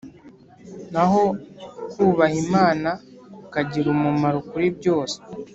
Naho kubaha Imana kukagira umumaro kuri byose